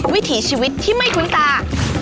วิถีชีวิตที่ไม่คุ้นตา